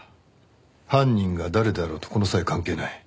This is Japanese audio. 犯人が誰であろうとこの際関係ない。